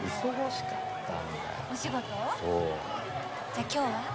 じゃあ今日は？